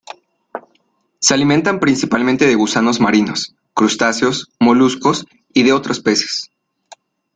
Se alimentan principalmente de gusanos marinos, crustáceos, moluscos, y de otros peces.